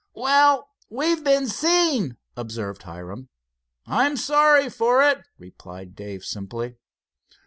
"Well, we've been seen," observed Hiram, "I'm sorry for it," replied Dave simply.